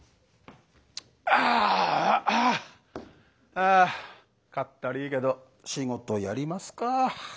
ああかったりぃけど仕事やりますか。